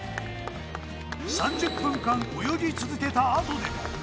３０分間泳ぎ続けたあとで。